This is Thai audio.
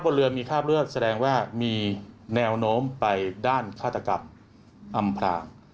แสดงว่ามีแนวโน้มไปด้านฆาตกรรมอำพลา